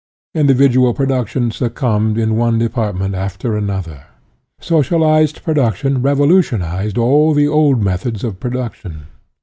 Indi vidual production succumbed in one de partment after another. Socialized produc tion revolutionized all the old methods of production.